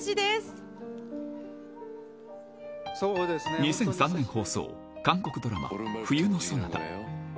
２００３年放送、韓国ドラマ、冬のソナタ。